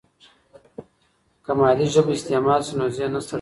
که مادي ژبه استعمال شي، نو ذهن نه ستړی کیږي.